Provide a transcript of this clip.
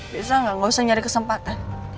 bisa gak gak usah nyari kesempatan